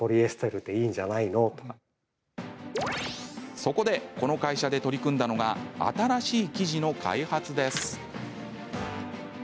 そこで、この会社で取り組んだのが新しい生地の開発です。